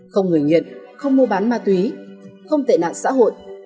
không người nghiện không mua bán ma túy không tệ nạn xã hội